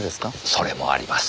それもあります。